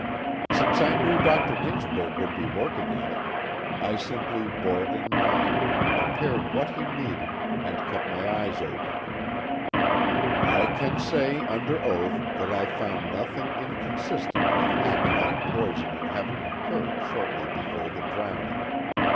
Since I knew Dr. Ginsberg would be working on it, I simply bore it in mind, prepared what he needed, and kept my eyes open. I can say under oath that I found nothing inconsistent with aconite poisoning having occurred shortly before the drowning.